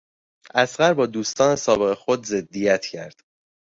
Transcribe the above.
اصغر با دوستان سابق خود ضدیت کرد.